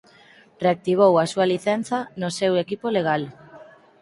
Reactivou a súa licenza no seu equipo legal.